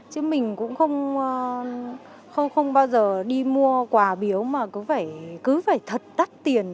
chứ mình cũng không bao giờ đi mua quà biếu mà cứ phải thật đắt tiền